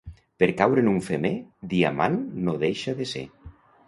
Per caure en un femer, diamant no deixa de ser.